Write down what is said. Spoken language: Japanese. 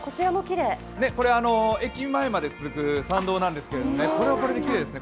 これは駅前まで続く参道なんですけれども、これはこれできれいですね。